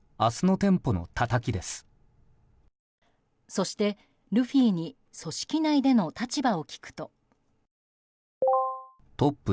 そして、ルフィに組織内での立場を聞くと。